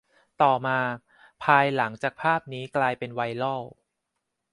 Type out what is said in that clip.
ต่อมา ภายหลังจากภาพนี้กลายเป็นไวรัล